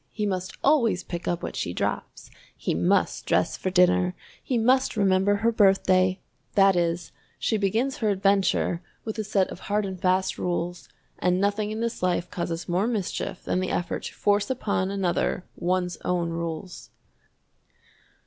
"He must always pick up what she drops." "He must dress for dinner." "He must remember her birthday." That is, she begins her adventure with a set of hard and fast rules, and nothing in this life causes more mischief than the effort to force upon another one's own rules!